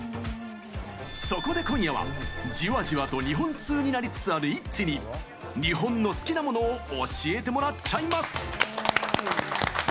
そこで今夜は、じわじわと日本通になりつつあるＩＴＺＹに日本の好きなものを教えてもらっちゃいます！